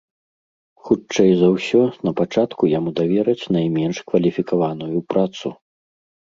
Хутчэй за ўсё, напачатку яму давераць найменш кваліфікаваную працу.